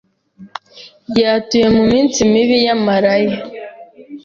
Yatuye ku minsi mibi yamarayo.